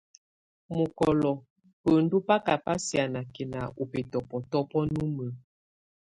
Mɔkɔlɔ bendu baka ba sianakɛna ɔ bɛtɔbɔtɔbɔ numə.